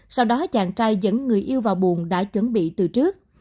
sau đó chàng trai dẫn người yêu vào buồn đã chuẩn bị từ trước